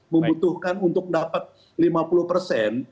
membutuhkan untuk mendapatkan lima puluh